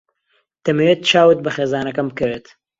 دەمەوێت چاوت بە خێزانەکەم بکەوێت.